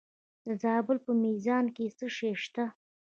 د زابل په میزانه کې څه شی شته؟